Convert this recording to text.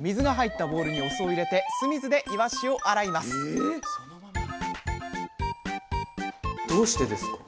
水が入ったボウルにお酢を入れて酢水でいわしを洗いますどうしてですか？